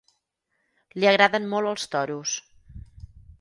Li agraden molt els toros.